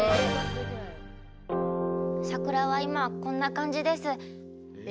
桜は今こんな感じです。